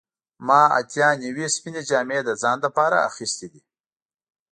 زه اتیا نوي سپینې جامې د ځان لپاره اخیستې دي.